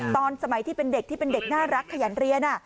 ตอนสมัยที่เป็นเด็กที่เป็นเด็กน่ารักขยันเรียน